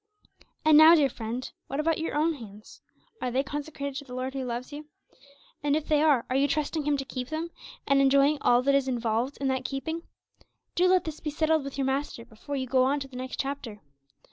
And now, dear friend, what about your own hands? Are they consecrated to the Lord who loves you? And if they are, are you trusting Him to keep them, and enjoying all that is involved in that keeping? Do let this be settled with your Master before you go on to the next chapter.